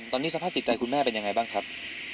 ตอนนี้สภาพจิตใจคุณแม่เป็นยังไงบ้างครับ